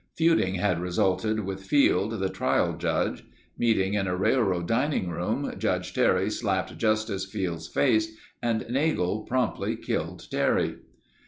Feuding had resulted with Field, the trial judge. Meeting in a railroad dining room, Judge Terry slapped Justice Field's face and Nagle promptly killed Terry.